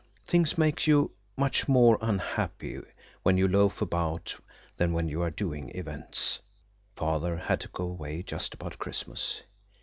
Things make you much more unhappy when you loaf about than when you are doing events. Father had to go away just about Christmas.